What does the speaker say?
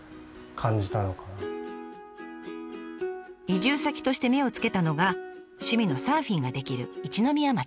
移住先として目をつけたのが趣味のサーフィンができる一宮町。